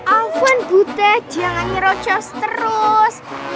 alvan buta jangan ngerocos terus